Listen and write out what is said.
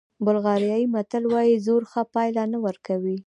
بلغاریایي متل وایي زور ښه پایله نه ورکوي.